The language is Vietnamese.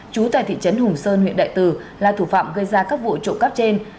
chú tại thị trấn hùng sơn huyện đại từ là thủ phạm gây ra các vụ trộm cắp trên